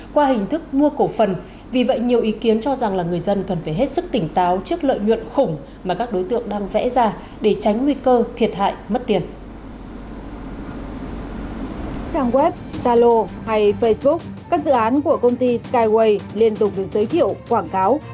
các dự án của công ty skyway liên tục được giới thiệu quảng cáo